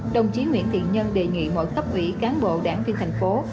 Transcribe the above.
đồng chí nguyễn thiện nhân đề nghị mỗi cấp ủy cán bộ đảng viên thành phố